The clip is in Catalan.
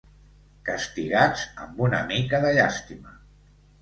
Castigats amb una mica de llàstima.